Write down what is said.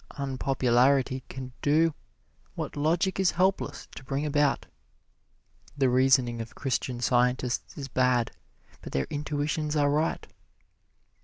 Unpopularity can do what logic is helpless to bring about. The reasoning of Christian Scientists is bad, but their intuitions are right.